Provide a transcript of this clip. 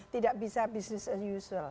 tidak bisa business as usual